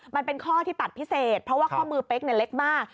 มันเป็นข้อที่ตัดพิเศษเพราะว่าข้อมือเป๊กเล็กมาก